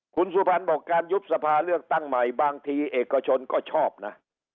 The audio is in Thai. คุณสุพรรณบอกการยุบสภาเลือกตั้งใหม่บางทีเอกชนก็ชอบนะ